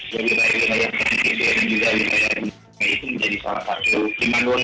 dari wilayah kota kuningan dan juga wilayah gunung ciremai itu menjadi salah satu pemanduan